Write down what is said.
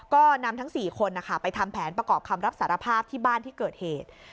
ก็นำทั้ง๔คนไปทำแผนประกอบคำรับสารภาพที่บ้านที่เกิดเหตุ